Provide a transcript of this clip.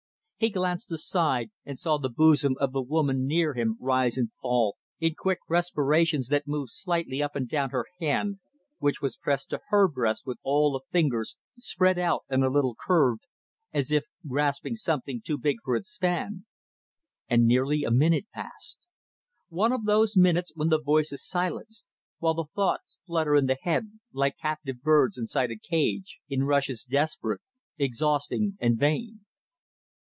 He glanced aside, and saw the bosom of the woman near him rise and fall in quick respirations that moved slightly up and down her hand, which was pressed to her breast with all the fingers spread out and a little curved, as if grasping something too big for its span. And nearly a minute passed. One of those minutes when the voice is silenced, while the thoughts flutter in the head, like captive birds inside a cage, in rushes desperate, exhausting and vain.